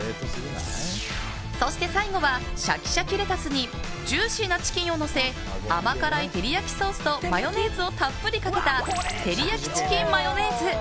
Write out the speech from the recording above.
そして最後はシャキシャキレタスにジューシーなチキンをのせ甘辛いてりやきソースとマヨネーズをたっぷりかけたてりやきチキンマヨネーズ。